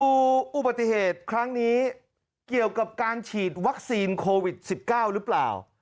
อุบัติเหตุครั้งนี้เกี่ยวกับการฉีดวัคซีนโควิด๑๙หรือเปล่า